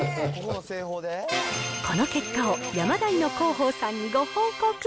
この結果をヤマダイの広報さんにご報告。